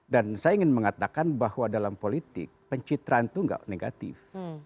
dan saya ingin mengatakan bahwa dalam politik pencitraan itu tidak negatif